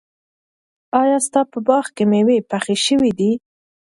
ایا ستا په باغ کې مېوې پخې شوي دي؟